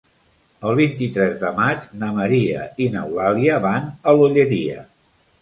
El vint-i-tres de maig na Maria i n'Eulàlia van a l'Olleria.